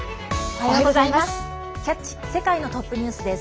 おはようございます。